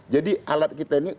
jadi alat kita ini